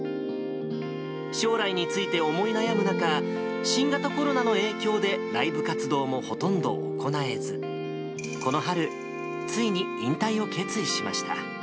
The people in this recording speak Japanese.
将来について思い悩む中、新型コロナの影響でライブ活動もほとんど行えず、この春、ついに引退を決意しました。